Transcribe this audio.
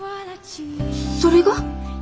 それが？